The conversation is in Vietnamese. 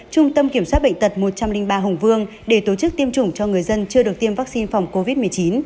trung tâm kiểm soát bệnh tật một trăm linh ba hùng vương để tổ chức tiêm chủng cho người dân chưa được tiêm vaccine phòng covid một mươi chín